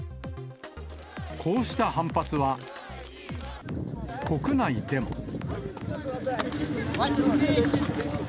こうした反発は、国内でも。